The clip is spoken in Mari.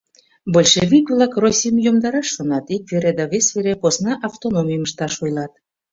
Большевик-влак Российым йомдараш шонат: ик вере да вес вере посна автономийым ышташ ойлат.